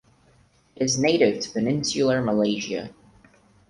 It is native to Peninsular Malaysia.